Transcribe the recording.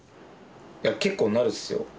いや、結構なるっすよ。